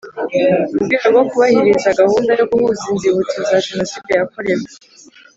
Mu rwego rwo kubahiriza gahunda yo guhuza inzibutso za jenoside yakorewe